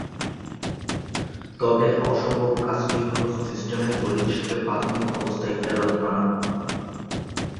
তবে, অসম্ভব কাজটি হল সিস্টেমের পরিবেশকে প্রাথমিক অবস্থায় ফেরত আনা।